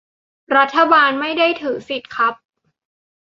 รัฐบาลไม่ได้ถือสิทธิ์ครับ